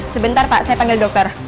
sebentar pak saya panggil dokter